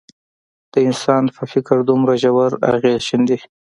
د انسان په فکر دومره ژور اغېز ښندي.